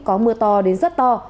có mưa to đến rất to